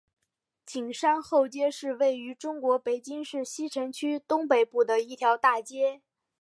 景山后街是位于中国北京市西城区东北部的一条大街。